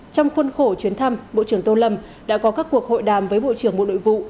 trong khuôn khổ chuyến thăm bộ trưởng tô lâm đã có các cuộc hội đàm với bộ trưởng bộ nội vụ